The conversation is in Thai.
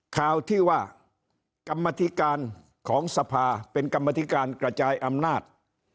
ข่าวที่ว่ากรรมธิการของสภาเป็นกรรมธิการกระจายอำนาจ